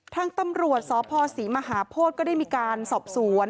ทางตำรวจสพศรีมหาโพธิก็ได้มีการสอบสวน